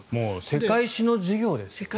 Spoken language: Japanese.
世界史の授業ですよ。